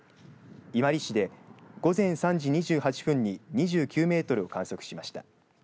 伊万里市で、午前３時２８分に２９メートルを観測しました。